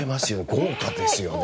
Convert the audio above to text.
豪華ですよね。